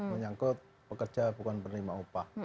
menyangkut pekerja bukan penerima upah